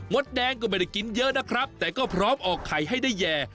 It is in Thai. ดแดงก็ไม่ได้กินเยอะนะครับแต่ก็พร้อมออกไข่ให้ได้แย่